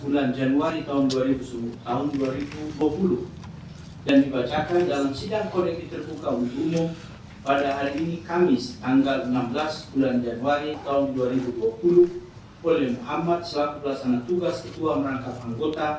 demikian sedara pembacaan putusan